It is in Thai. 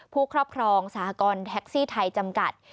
ครอบครองสหกรณ์แท็กซี่ไทยจำกัด